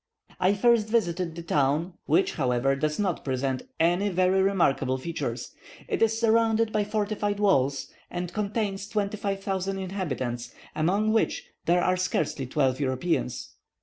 I first visited the town, which, however, does not present any very remarkable features. It is surrounded by fortified works, and contains 25,000 inhabitants, among which there are scarcely twelve Europeans.